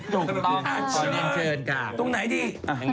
ตรงไหนดี